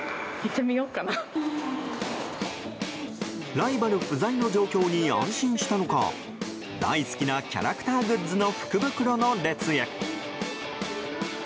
ライバル不在の状況に安心したのか大好きなキャラクターグッズの福袋の列へ。